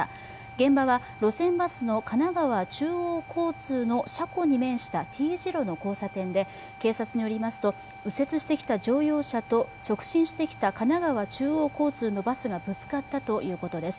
現場は路線バスの神奈川中央交通の車庫に面したＴ字路の交差点で、警察によりますと、右折してきた乗用車と直進してきた神奈川中央交通のバスがぶつかったということです。